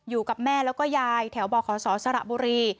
อยู่กับแม่แล้วก็ยายแถวบขศสระบุรี